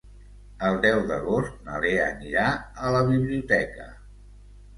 El deu d'agost na Lea anirà a la biblioteca.